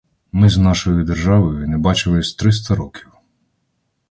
Ми з нашою державою не бачились триста років.